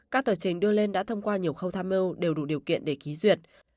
các tờ trình đưa lên đã thông qua nhiều khâu tham mưu đều đủ điều kiện để ký duyệt